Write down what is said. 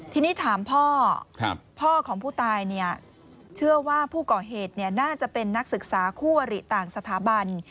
ทีนี้ถามพ่อพ่อของผู้ตายเชื่อว่าผู้ก่อเหตุน่าจะเป็นนักศึกษาคู่วริต่างสถาบัน